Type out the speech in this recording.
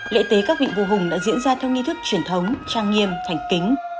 lễ tế các vị vua hùng đã diễn ra theo nghi thức truyền thống trang nghiêm thành kính